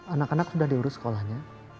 anak anak sudah diurus sekolahnya